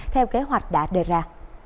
theo kế hoạch đã đề ra